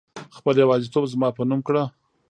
خپل يوازيتوب زما په نوم کړه